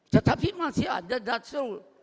tetapi masih ada dutch roll